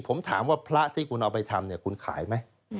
ผมถามว่าพระที่คุณเอาไปทำเนี่ยคุณขายไหม